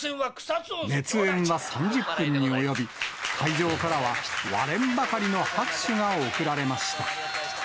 熱演は３０分に及び、会場からは割れんばかりの拍手が送られました。